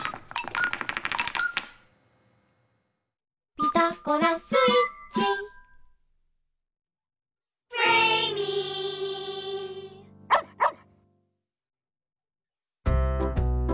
「ピタゴラスイッチ」ワンワン！